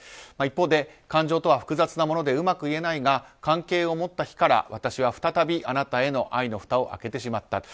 一方で感情とは複雑なものでうまく言えないが関係を持った日から私は再びあなたへの愛のふたを開けてしまった。